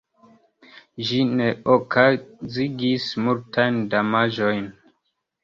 Ĝi ne okazigis multajn damaĝojn.